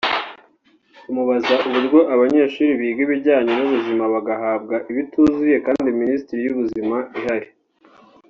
bamubaza uburyo abanyeshuri biga ibijyanye n’ubuzima bagahabwa ibituzuye kandi Minisiteri y’Ubuzima ihari